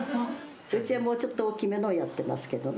うちはもうちょっと大きめのをやってますけどね。